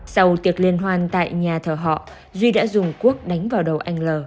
sau tiệc liên hoan tại nhà thờ họ duy đã dùng quốc đánh vào đầu anh l